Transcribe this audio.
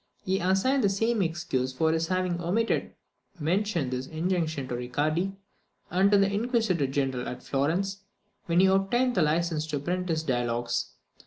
He assigned the same excuse for his having omitted to mention this injunction to Riccardi, and to the Inquisitor General at Florence, when he obtained the licence to print his Dialogues.